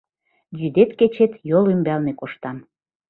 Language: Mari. Йӱдет-кечет йол ӱмбалне коштам.